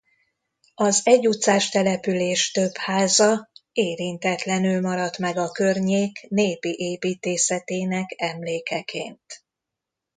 Az egyutcás település több háza érintetlenül maradt meg a környék népi építészetének emlékeként.